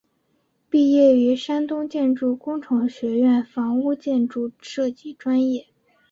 毕业于山东建筑工程学院房屋建筑设计专业。